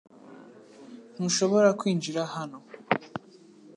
Ntushobora kwinjira hano .